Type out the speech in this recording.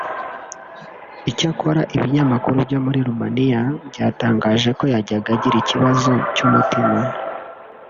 icyakora ibinyamakuru byo muri Romania byatangaje ko yajyaga agira ikibazo cy’umutima